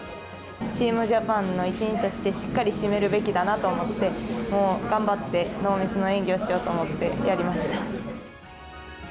チームジャパンの一員として、しっかり締めるべきだなと思って、もう頑張って、ノーミスの演技をしようと思って、やりました。